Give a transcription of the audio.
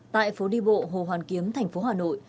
tại phố đi bộ hồ hoàn kiếm thành phố hà nội